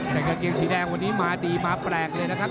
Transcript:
แต่กันเกมสีแดงอยู่นี้ม้าดีม้าม้าแปลงเลยนะครับ